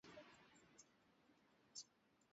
Amesema Wajackoya akiongezea kwamba